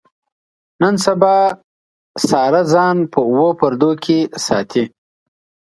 نن سبا ساره ځان په اوو پردو کې ساتي.